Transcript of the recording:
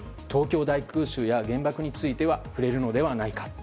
東京大空襲や原爆については触れるのではないか。